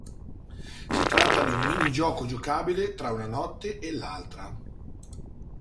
Si tratta di un minigioco giocabile tra una notte e l'altra.